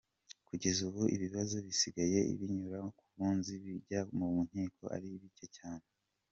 Kugeza ubu ibibazo bisigaye binyura ku Bunzi bikajya mu nkiko ari bike cyane.